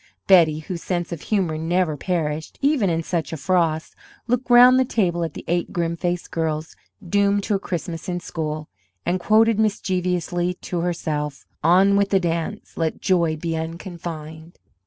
Betty, whose sense of humour never perished, even in such a frost, looked round the table at the eight grim faced girls doomed to a Christmas in school, and quoted mischievously to herself: "On with the dance, let joy be unconfined."